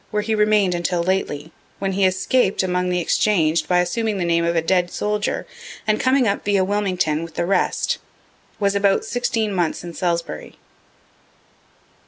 where he remain'd until lately, when he escap'd among the exchang'd by assuming the name of a dead soldier, and coming up via Wilmington with the rest. Was about sixteen months in Salisbury.